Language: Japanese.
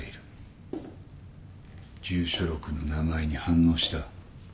住所録の名前に反応した。